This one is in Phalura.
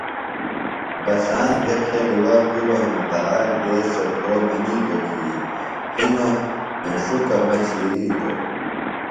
بساند بھےۡ کھیۡلیۡ وخت بِھلوۡ ہنوۡ تہآک دیس سےۡ پھو منِیتوۡ کیۡ ہِنوۡ ہینݜکہ مہ چِیرِیتوۡ